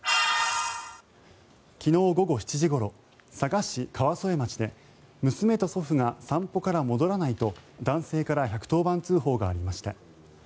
昨日午後７時ごろ佐賀市川副町で娘と祖父が散歩から戻らないと男性から１１０番通報がありました。